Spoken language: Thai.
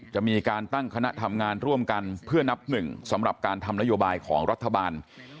จะมีการตั้งคณะทำงานร่วมกันเพื่อนับหนึ่งสำหรับการทำนโยบายของรัฐบาล